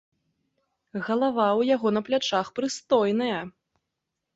Галава ў яго на плячах прыстойная.